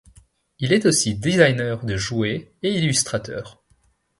Il est aussi désigneur de jouets et illustrateur.